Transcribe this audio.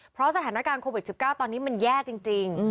เพราะสถานการณ์โควิด๑๙ตอนนี้มันแย่จริง